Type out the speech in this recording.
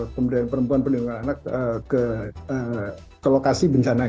pemberdayaan perempuan perlindungan anak ke lokasi bencana